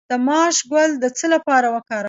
د ماش ګل د څه لپاره وکاروم؟